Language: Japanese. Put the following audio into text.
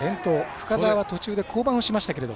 深沢は途中で降板をしましたけれど。